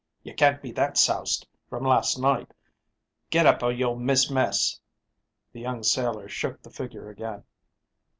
You can't be that soused from last night. Get up or you'll miss mess." The young sailor shook the figure again.